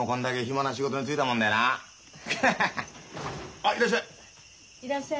あっいらっしゃい。